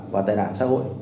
và tài nạn xã hội